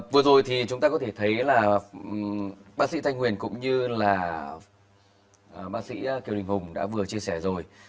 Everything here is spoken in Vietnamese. vừa rồi thì chúng ta có thể thấy là bác sĩ thanh huyền cũng như là bác sĩ kiều đình hùng đã vừa chia sẻ rồi